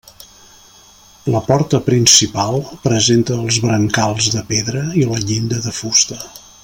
La porta principal presenta els brancals de pedra i la llinda de fusta.